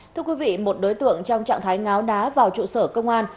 thưa quý vị một đối tượng trong trạng thái ngáo đá vào trụ sở công an